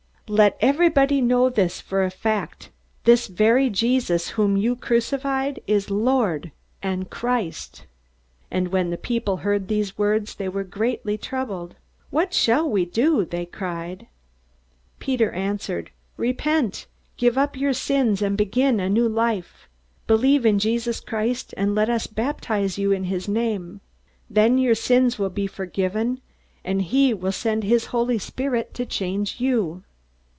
Let everybody know this for a fact: this very Jesus whom you crucified is Lord and Christ!" And when the people heard these words, they were greatly troubled. "What shall we do?" they cried. Peter answered: "Repent! Give up your sins, and begin a new life! Believe in Jesus Christ, and let us baptize you in his name. Then your sins will be forgiven, and he will send his Holy Spirit to change you!"